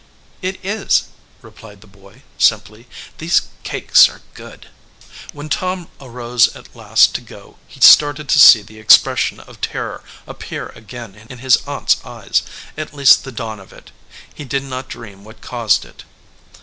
"It is," replied the boy, simply. "These cakes are good." When Tom arose at last to go he started to see the expression of terror appear again in his aunt s eyes, at least the dawn of it. He did not dream what caused it.